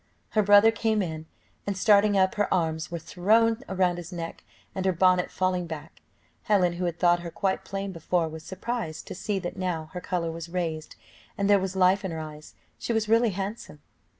Her brother came in, and, starting up, her arms were thrown round his neck, and her bonnet falling back, Helen who had thought her quite plain before, was surprised to see that, now her colour was raised, and there was life in her eyes, she was really handsome.